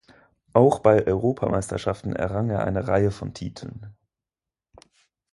Auch bei Europameisterschaften errang er eine Reihe von Titeln.